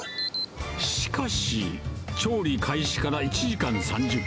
しかし、調理開始から１時間３０分。